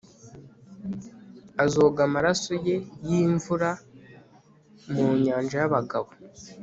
Azoga amaraso ye yimvura mu nyanja yabagabo